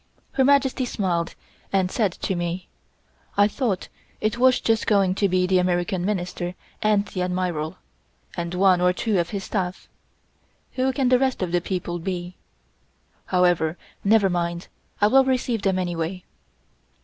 Her Majesty smiled and said to me: "I thought it was just going to be the American Minister and the Admiral, and one or two of his staff. Who can the rest of the people be? However, never mind, I will receive them anyway."